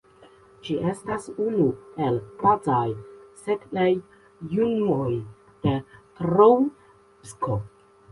Ĝi estas unu el bazaj setlejunuoj de Troubsko.